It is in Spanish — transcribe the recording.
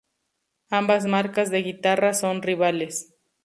Ambas marcas de guitarras son rivales.